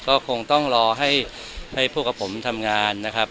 ก็คงต้องรอให้พวกกับผมทำงานนะครับ